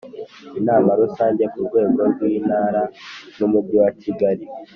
Inama Rusange ku rwego rw Intara n Umujyi wa kigali